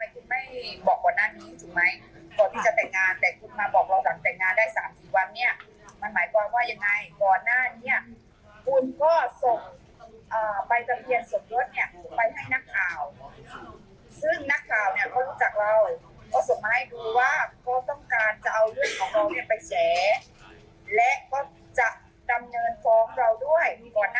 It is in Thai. กำเนินฟองเราด้วยมีก่อนหน้านี้